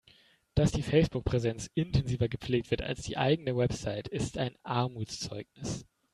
Dass die Facebook-Präsenz intensiver gepflegt wird als die eigene Website, ist ein Armutszeugnis.